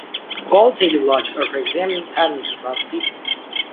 Qualitative logic are for examining patterns across people.